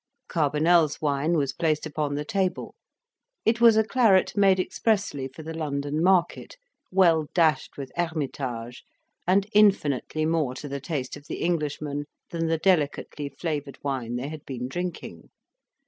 Carbonell's wine was placed upon the table: it was a claret made expressly for the London market, well dashed with Hermitage, and infinitely more to the taste of the Englishman than the delicately flavoured wine they had been drinking.